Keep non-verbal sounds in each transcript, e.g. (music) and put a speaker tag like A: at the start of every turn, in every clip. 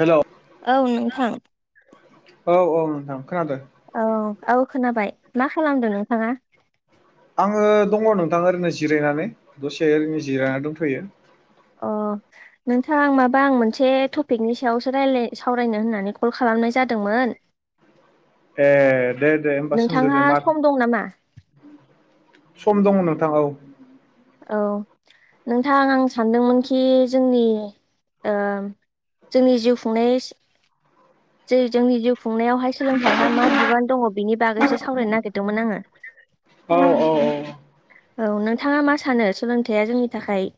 A: Hello
B: औ नोंथां
A: औ औ नोंथां खोनादों।
B: औ औ खोनाबाय मा खालामदों नोंथाङा?
A: ओ दङ नोंथां ओरैनो जिरायनानै दसे ओरैनो जिरायनानै दंथ'यो।
B: अ नोंथां आं माबा आं मोनसे टपिकनि सायावसो रायलाय सावरायनो होननानै कल खाला नाय जादोंमोन
A: ए दे दे होमबा सोंदो दे
B: नोंथाङा
A: मा
B: सम दं नामा?
A: सम दङ नोंथां औ।
B: औ नोंथां आं सानदोंमोनखि जोंनि ओम। जोंनि जिउ खुंनायनि जेरै जोंनि जिउ खुंनायावहाय सोलोंथाइहा मा बिबान दङ बिनि बागैसो सावरायनो नागिरदोंमोन आङो।
A: औ औ औ
B: औ नोंथाङा मा सानो सोलोंथाइया जोंनि थाखाय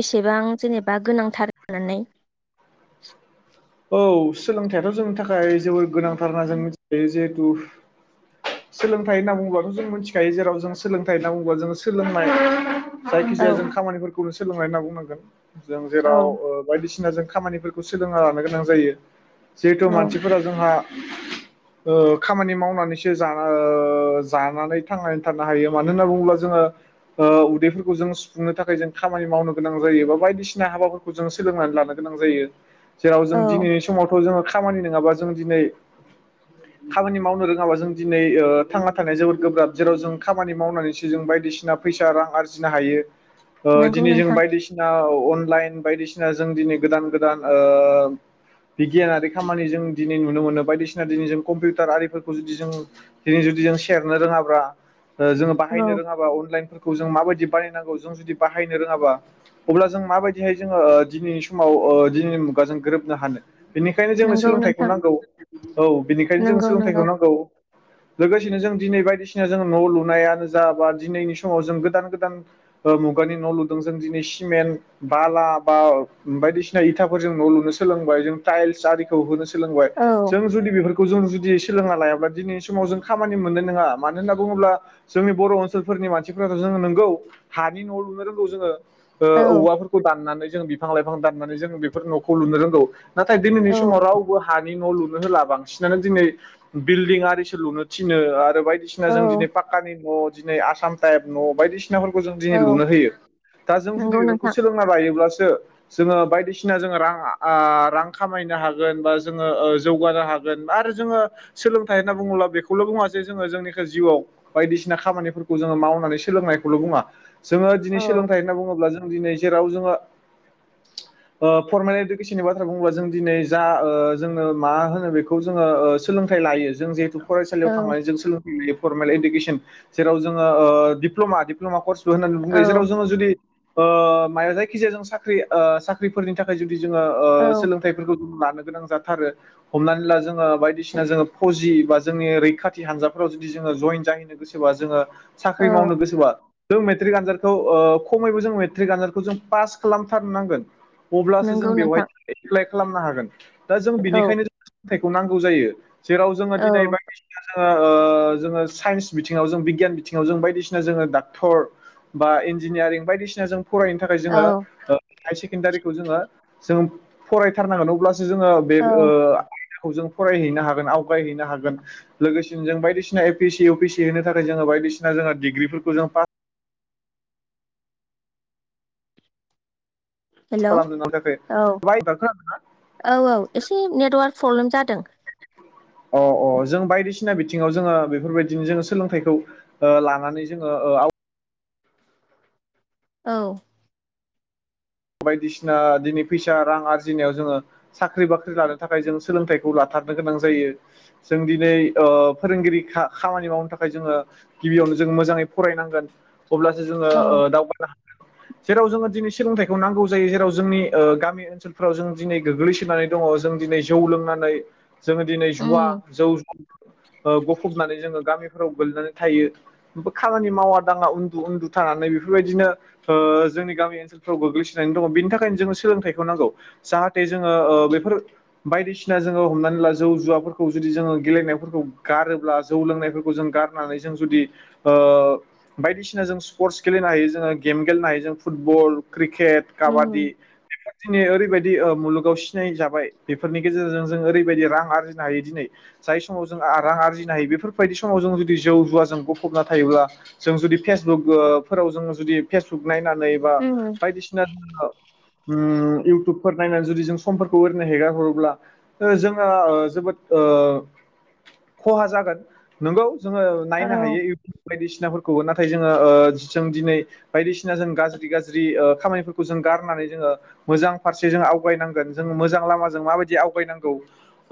B: बेसेबां जेनेबा गोनांथार होननानै?
A: औ सोलोंथाइयाथ' जोंनि थाखाय जोबोर गोनांथार होनना जों मिथिखायो जिहेथु सोलोंथाइ होनना बुङोबाथ' जों मिथिखायो जेराव जों सोलोंथाइ होनना बुङोबा जों सोलोंनाय जायखि
B: औ
A: जाया जों खामानिफोरखौनो सोलोंनानै होनना बुंनांगोन जों जेराव
B: औ
A: ओ बायदि सिना जों खामानिफोरखौ सोलोंना लानो गोनां जायो। जिहेथु
B: औ
A: मानसिफोरा जोंहा ओ खामानि मावनानै सो जाना ओ जानानै थांनानै थानो हायो मानो होननानै बुङोब्ला जोङो ओ उदैफोरखौ जों ङो सुफुंनो थाखाय जों खामानि मावनो गोनां जायो बा बायदिसिना हाबाफोरखौ जों सोलोंनानै लानो गोनां जायो। जेराव
B: औ
A: जों दिनैनि समावथ' जोङो खामानि नङाबा जों दिनै खामानि मावनो रोङाबा जों दिनै ओ थांना थानाया जोबोद गोब्राब जेराव जों खामानि मावनानैसो जों बायदिसिना फैसा रां आरजिनो हायो। ओ
B: नंगौ
A: दिनै जों
B: नोंथां
A: बायदिसिना औ अनलाइन बायदिसिना जों दिनै गोदान गोदान ओ बिगियानारि खामानि जों दिनै नुनो मोनो। बायदिसिना दिनै जों कम्पिउटार आरिफोरखौ जुदि जों दिनै जुदि जों सेरनो रोङाबा जोङो
B: औ
A: बाहायनो रोङाबा अनलाइन फोर खौ जों माबायदि बानायनांगौ जों जुदि बाहायनो रोङाबा अब्ला जों माबायदिहाय जोङो दिनैनि समाव ओ दिनैनि मुगाजों गोरोबनो हानो। बेनिखायनो जोंनो
B: नंगौ
A: सोलोंथाइखौ
B: नोंथां
A: नांगौ औ बिनिखायनो जोंनो
B: नंगौ नंगौ
A: सोलोंथाइखौ नांगौ। लोगोसेनो जों दिनै बायदिसिना जों न' लुनायानो जाबा दिनैनि समाव जों गोदान गोदान ओ मुगानि न' लुदों जों दिनै सिमेन्ट बाला बा बायदिसिना इथाफोरजों न' लु सोलोंबाय जों थाइलस आरिखौ होनो सोलोंबाय।
B: औ
A: जों जुदि बेफोरखौ जों जुदि सोलोंना लायाबा दिनै समाव जों खामानि मोननाय नङा मानो होनना बुङोब्ला जोंनि बर' ओनसोलफोरनि मानसिफोराथ' जों नोंगौ हानि न' लुनो रोंगौ जोङो। ओ
B: औ
A: औवाफोरखौ दाननानै जों बिफां-लाइफां दाननानै जों बेफोर न'खौ लुनो रोंगौ। नाथाय दिनैनि
B: औ
A: समाव रावबो हानि न' लुनो होला बांसिनानो दिनै बिल्डिं आरि सो लुनो थिनो आरो बायदिसिना
B: औ
A: जों दिनै पाकानि न' दिनै आसाम टाइप न' बायदि सिनाफोरखौ जों
B: औ
A: दिनै लुनो होयो। दा जों जुदि
B: नंगौ
A: बेफोरखौ
B: नोंथां
A: सोलोंना लायोब्लासो जोङो बायदिसिना जोङो रां आ रां खामायनो हागोन बा जोङो जौगानो हागोन। आरो जोङो सोलोंथाइ होनना बुङोब्ला बेखौल' बुङा जे जोङो जोंनिखा जिउआव बायदिसिना खामानिफोरखौ जोङो मावनानै सोलोंनायखौल' बुङा जोङो
B: औ
A: दिनै सोलोंथाइ होनना बुङोब्ला जों दिनै जेराव जोङो
B: (inaudible)
A: ओ फरमेल इडुकेसननि बाथ्रा बुङोबा जों दिनै जा जोंनो मा होनो बेखौ जोङो ओ सोलों थाय लायो। जों जिहेथु फरायसालियाव
B: औ
A: थांनानै जों सोलोंथाइ लायो फरमेल इडुकेसन जेराव जोङो ओ दिप्ल'मा डिप्ल'मा कर्स बो होननानै बुंनाय जेराव
B: औ
A: जोङो जुदि ओ मायबा जायखि जाया जों साख्रि ओ साख्रिफोरनि थाखाय जु दि जोङो ओ
B: औ
A: सोलोंथाइफोरखौ ला लानो गोनां जाथारो हमनानै ला जोङो बायदिसिना जोङो फजि बा जोंनि रैखाथि हानजाफोराव जुदि जोङो जयेन जाहैनो गोसोबा जोङो साख्रि
B: औ
A: मावनो गोसोबा जों मेट्रिक आनजादखौ ओ खमैबो जों मेट्रिक आनजादखौ जों पास खालामथारनांगोन। अब्लासो
B: नंगौ
A: जों बेवहाय
B: नोंथां
A: एप्लाइ खालामनो हागोन दा जों
B: औ
A: बिनिखायनो जों सोलोंथाइखौ नांगौ जायो। जेराव जोङो
B: औ
A: दिनै बाय (unintelligible) जोङो ओ जोङो साइन्स बिथिङाव जों बिगियान बिथिङाव जों बायदिसिना जोङो डाक्टर बा इन्जिनियारिं बायदिसिना जों फरायनो थाखाय जोङो
B: औ
A: हाय सेकेण्डारिखौ जोङो जों फरायथारनांगोन अब्ला सो जोङो बे ओ
B: औ
A: आयदाखौ जों फरायहैनो हागोन आवगायहैनो हागोन। लोगोसेनो जों बायदिसना ए पि सि एउ पि सि होनो थाखाय जोङो बायदिसिना जोंहा डिग्रिफोरखौ जों पा पास
B: हेलौ
A: खालामनो
B: औ
A: थाखाय
B: औ औ। एसे नेटवार्क प्रब्लेम जादों। (inaudible)
A: अ'-अ' जों बायदिसिना बिथिङाव जोङो बेफोरबायदिनो जोङो सोलोंथाइखौ ओ लानानै जोङो ओ आव
B: औ।
A: बायदिसिना दिनै फैसा रां आरजिनायाव जोङो साख्रि बाख्रि लानो थाखाय जों सोलोंथाइखौ ला थारनो गोनां जायो जों दिनै ओ फोरोंगिरि खा-खामानि मावनो थाखाय जोङो गिबियावनो जों मोजाङै फरायनांगोन अब्लासो जोङो ओ
B: औ
A: दावगानो हागोन जेराव जोङो दिनै सोलोंथाइ खौ नांगौ जायो जेराव जोंनि ओ गामि ओनसोलफ्राव जों दिनै गोग्लैसोनानै दङ जों दिनै जौ लोंनानै जोङो दिनै जुवा
B: उम
A: जौ ज गफबनानै जोङो गामि फोराव गोलैनानै थायो खामानि मावा दाङा उन्दु-उन्दु थानानै बेफोरबायदिनो ओ जोंनि गामि ओसोल फ्राव गोग्लैसोनानै दङ बेनि थाखायनो जों सोलोंथाइखौ नांगौ जाहाथे जोङो ओ बेफोर बायदिसिना जोङो हमनानै ला जौ जुवाफोरखौ जुदि जोङो गेलेनायफोरखौ गारोब्ला जौ लोंनायफोरखौ जों गारनानै जों जु दि ओ बायदिसिना जों स्पर्टस गेलेनो हायो जोङो गेम गेलेनो हायो जों फुटबल क्रिकेट
B: उम
A: काबादि (unintelligible) ओरैबाय दि ओ मुलुगाव सिनाय जाबाय बेफोरनि गेजेरजों जों ओरैबायदि रां आरजिनो हायो दिनै जाय समाव जों आ रां आरजिनो हायो बेफोरबायदि समाव जों जुदि जौ जुवाजों गफबना थायोब्ला जों जुदि फेसबुक ओ फोराव जोङो जुदि फेसबुक नायनानै बा
B: उम
A: बायदिसिना जोङो उम इउटुबफोर नायनानै जुदि जों समफोरखौ ओरैनो हेगार हरोब्ला, ओ जोङो ओ जोबोद ओ खहा जागोन नंगौ जोङो
B: औ
A: नायनो हायो इउटुब बायदिसिनाफोर खौबो नाथाय जोङो ओ जों दिनै बायदिसिना जों गाज्रि-गाज्रि ज्रि ओ खामानिफोरखौ जों गारनानै जोङो मोजां फारसेजों आवगाय नांगोन। जों मोजां लामाजों मा बायदि आव गायनांगौ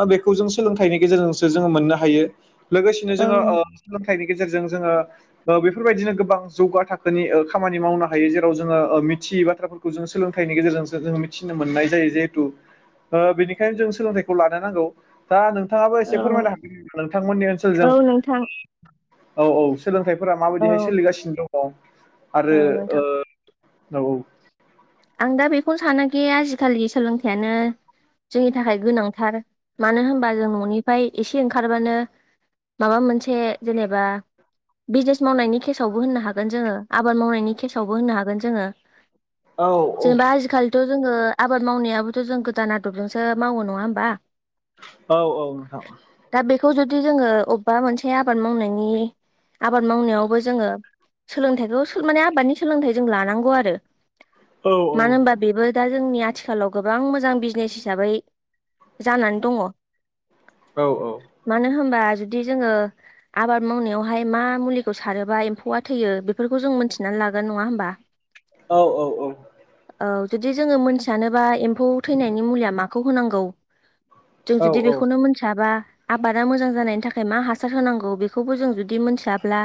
A: ओ बेखौ जों सोलोंथनि गेजेरजोंसो जोङो मोननो हायो। लोगोसेनो जोङो ओ
B: औ
A: सोलोंथाइनि गेजेरजों जोङो ओ बे फोरबायदिनो गोबां जौगा थाखोनि ओ खामानि मावनो हायो जेराव जोङो ओ मिथियि बाथ्राफोरखौ जों सोलोंथाइनि गेजेरजोंसो जोङो मिथिनो मोननाय जायो जिहेथु। ओ बेनिखायनो जों सोलोंथाइखौ लानो नांगौ। दा नों थाङाबो एसे फोरमायनो हागोन नामा नोंथांमोननि
B: औ
A: ओनसोलजों।
B: नोंथां
A: औ-औ। सोलोंथाइफोरा
B: औ
A: माबायदिहाय सोलिगासिनो दङ। आरो
B: औ
A: ओ
B: नोंथां
A: औ औ।
B: आं दा बेखौनो सानोखि आजिखालि सोलोंथाइयानो जोंनि थाखाय गोनांथार मानो होनबा जों न'निफ्राय एसे ओंखारबानो माबा मोनसे जेनेबा बिजनेस मावनायनि केसावबो होननो हागोन जोङो आबाद मावनायनि केसावबो होननो हागोन जोङो।
A: ओ औ
B: जेनेबा आजिखालिथ' जोङो आबाद मावनायाबोथ' जों गोदान आदबजोंसो मावो नङा होमबा?
A: औ औ नोंथां।
B: थ' जुदि जोङो अबेबा मोनसे आबाद मावनायनि आबाद मावनायावबो जोङो सोलोंथाइखौ सो माने आबादनि सोलोंथाइ जों लानांगौ आरो।
A: औ
B: मानो होनबा बेबो दा जोंनि आथिखालाव गोबां मोजां बिजनेस हिसाबै जानानै दङ।
A: औ
B: मानो होमबा जुदि जोङो आबाद मावनायावहाय मा मुलिखौ सारोबा एम्फौआ थैयो बेफोरखौ जों मिथिना लागोन नङा होमबा?
A: औ औ औ।
B: औ जुदि जोंङो मोनथियानोबा एम्फौ थैनायनि मुलिया माखौ होनांगौ जों
A: औ
B: जुदि बेखौनो मोनथियाबा, आबादा मोजां जानायनि थाखाय मा हासार होनांगौ बेखौबो जों जुदि मिथिया ब्ला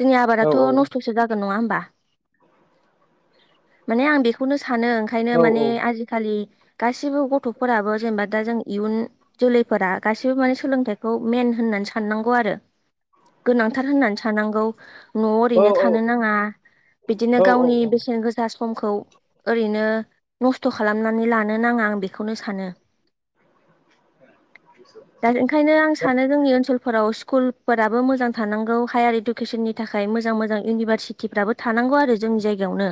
B: जोंनि आबादाथ' नस्थ'सो जागोन नङा होमबा? माने आं बेखौनो सानो ओंखायनो माने आजिखालि गासिबो गथ'फोराबो जेनेबा दा जों इयुन जोलैफोरा गासैबो सोलोंथाइखौ मेइन होननानै साननांगौ आरो, गोनांथार होननानै साननांगौ न'आव
A: औ
B: ओरैनो थानो नांङा बिदिनो
A: औ
B: गावनि बेसेन गोसा समखौ ओरैनो नस्थ' खालामनानै लानो नाङा, आं बेखौनो सानो। दा ओंखायनो आं सानो जोंनि ओनसोल फोराव स्कुलफोराबो मोजां थानांगौ हायार इडुकेसननि थाखाय मोजां मोजां इउनिभारसिटिफ्राबो थानां गौ आरो जोंनि जायगायावनो,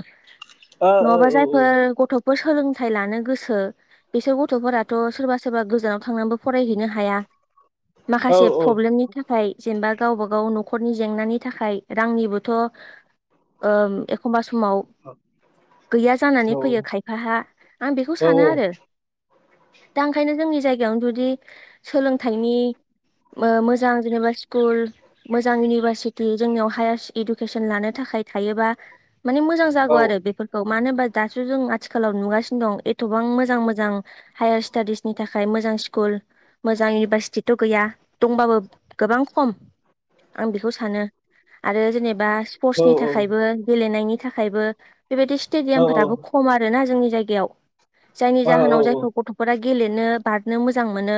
A: ओ औ औ
B: नङाबा
A: औ
B: जायफोर गथ' सोलोंथाइ लानो गोसो बिसोर गथ'फोराथ' सोरबा सोरबा गोजानाव थांना फरायहैनो हाया माखासे
A: औ औ
B: प्रब्लेमनि थाखाय जेनेबा गावबा गाव न'खरनि जेंनानि थाखाय, रांनिबोथ' ओ एखमबा समाव गैया जानानै फैयो खायफाहा आं बेखौ
A: औ
B: सानो। दा ओंखायनो जोंनि जायगायावनो जुदि सोलोंथाइनि ओ मोजां जेनेबा स्कुल मोजां इउनिभारसिटि जोंनियाव हायार इडुकेसन लानो था खाय थायोबा मानि मोजां जागौ आरो बेफोरखौ मानो होनबा दासो जों आथिखालाव नुगासिनो दं गोबां मोजां मोजां हायार स्टाडिसनि थाखाय मोजां स्कुल मोजां इउनिभारसिटिथ' गैया, दंबाबो गोबां खम। आं बेखौ सानो आरो जेनेबा स्पर्टसनि थाखायबो गेलेनायनि थाखायबो बेबायदि स्टेडियामफोराबो
A: औ
B: खम आरोना जोंनि जायगायाव जायनि जाहोनाव जायखौ गथ'फोरा गेलेनो बार नो मोजां मोनो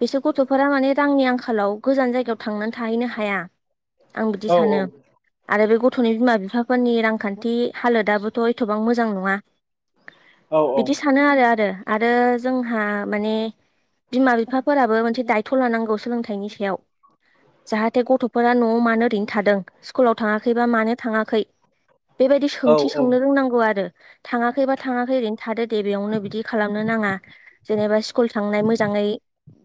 B: बेसोर गथ'फोरा माने रांनि आंखालाव गोजान जायगायाव थांनानै थाहैनो हाया आं बिदि सानो आरो बे गथ'नि बिमा बिफाफोरनि रांखान्थि हालोद आबोथ' एथ'बां मोजां नङा बिदि सानो आरो आरो आरो जोंहा माने बिमा बिफाफोराबो मोनसे दायथ' लानांगौ सोलोंथाइनि सायाव जाहाथे गथ'फोरा न'आव मानो ओरैनो थादों स्कुलाव थाङाखैबा मानो थाङाखै बेबायदि सोंथि सोंनो रोंनांगौ आरो। थाङाखैबा थांङाखै ओरैनो थादो दे बेयावनो बिदि खालामनो नाङा जेनेबा स्कुल थांनाय मोजां यै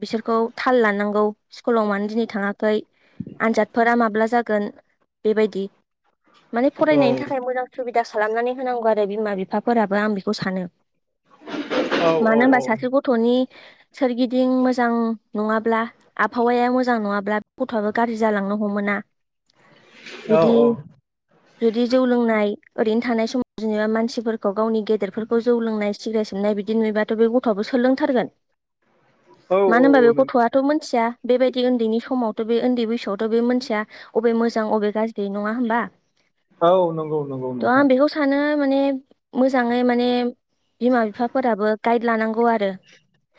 B: बिसोरखौ थाल लानांगौ स्कुलाव मानो दिनै थाङाखै आनजादफोरा माब्ला जागोन बेबायदि, माने फरायनायनि थाखाय
A: औ
B: मोजां सुबिदा खालामनानै होनांगौ आरो बिमा बिफाफोराबो आं बेखौ सानो। मानो
A: औ
B: होनबा
A: औ
B: सासे गथ'नि सोरगिदिं मोजां नङाब्ला आबहावाया मोजां नङाब्ला गथ'आबो गाज्रि जालांनो हमोना।
A: औ
B: जुदि जुदि जौ लोंनाय ओरैनो थानाय समाव जेनेबा मानसिफोरखौ गावनि गेदेरफोरखौ जौ लोंनाय सिग्रेट सोबनाय बिदि नुयोबाथ' बे गथ'आबो सोलोंथारगोन
A: औ औ
B: मानो
A: औ
B: होनबा बे
A: नों
B: गथ'आथ' मोनथिया बेबायदि उन्दैनि समावथ' बे उन्दै बैसोआवथ' बे मानसिया बबे मोजां अबे गाज्रि नंङा होमबा
A: औ नंगौ नंगौ
B: थ' आं
A: नोंथां
B: बेखौ सानो माने मोजाङै माने बिमा बिफाफोराबो गाइड लानांगौ आरो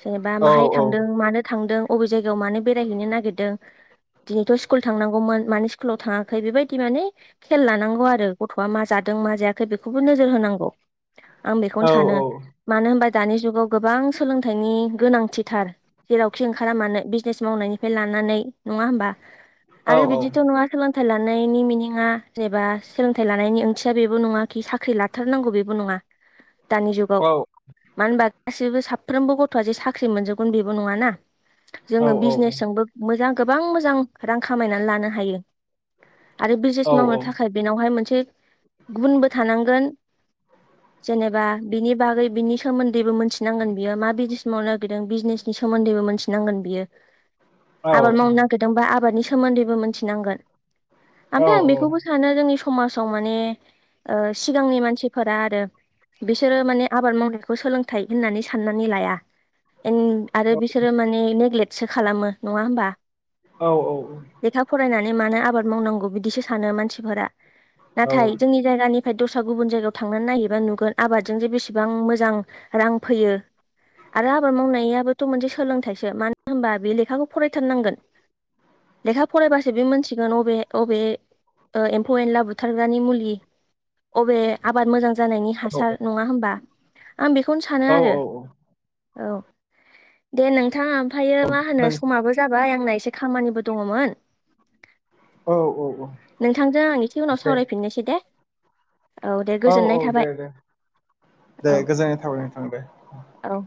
B: जेनेबा
A: औ
B: माहाय
A: औ
B: थांदों मानो थांदों अबे जायगायाव मानो बेरायहैनो नागिरदों दिनैथ' स्कुल थांनांगौमोन मानो स्कुलाव थाङाखै बेबायदि माने खेल लानांगौ आरो गथ' बा मा जादों मा जायाखै बेखौबो नोजोर होनांगौ आं
A: औ
B: बेखौनो सानो मानो होनबा दानि जुगाव गोबां सोलोंथाइनि गोनांथिथार जेरावखि ओंखारा मानो बिजनेस मावनायनिफ्राय लानानै नङा होमबा
A: औ
B: आरो बिदिथ' नङा सोलोंथाइ लानायनि मिनिङा जेनबा सो लोंथाय लानायनि ओंथिया बेबो नङा खि साख्रि लाथारनांगौ बेबो नङा। दानि
A: औ
B: जुगाव मानो होनबा गासैबो साफ्रोमबो गथ'आ जे साख्रि मोनजोबगोन बेबो नङाना
A: औ
B: जोङो बिजनेसजोंबो मोजां गोबां मोजां रां खामायनानै लानो हायो। आरो बिजनेस
A: औ
B: मावनो थाखाय बेनावहाय मोनसे गुनबो थानांगोन। जेनेबा बिनि बागै बिनि सोमोन्दैबो मोनथिनांगोन बियो मा बिजनेस मावनो नागिरदों बिजनेसनि सोमोन्दैबो मोनथिनांगोन बियो आबाद मावनो नागिरदोंबा आबादनि सोमोन्दैबो मोनथिनांगोन।
A: औ
B: ओमफाय आं बेखौबो सानो जोंनि समाजाव माने ओ सिगांनि मानसिफोरा आरो बिसोरो माने आबाद मावनायखौ सोलोंथाइ होननानै साननानै लाया। एन आरो बिसोरो माने नेग्लेक्सो खालामो नङा होमबा
A: औ औ
B: नोंलाय मानो आबाद मावनांगौ बिदिसो सानो मानसिफोरा नाथाय जोंनि जायगानि फ्राय दस्रा गुबुन जायगायाव थांनानै नायहैबा नुगोन आबादजों जे बेसेबां मोजां रां फैयो। आरो आबाद मावनायाबोथ' मोनसे सोलोंथाइसो मानो होनबा बे लेखाखौ फरायथारनांगोन। लेखा फरायबासो बे मोनथिगोन अबे अबे ओ ए म्फौ एनला बुथारग्रानि मुलि अबे आबाद मोजां जानायनि हासार नङा होमबा आं बेखौनो सानो आरो औ दे नों थां ओमफ्रायो मा होनो समाबो जाबाय आंना एसे खामानिबो दङमोन।
A: औ औ औ
B: जों आं इसे उनाव
A: दे
B: सावरायफिननोसै दे दे
A: औ औ
B: गोजोननाय
A: दे
B: थाबाय
A: दे दे
B: औ
A: गोजोननाय थाबाय नोंथां दे
B: औ